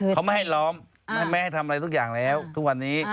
เขาไม่ให้ล้อมไม่ให้ทำอะไรทุกอย่างแล้วทุกวันนี้